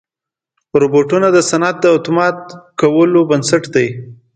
روبوټونه د صنعت د اتومات کولو بنسټ دي.